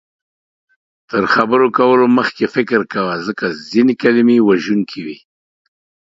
تر خبرو کولو مخکې فکر کوه، ځکه ځینې کلمې وژونکې وي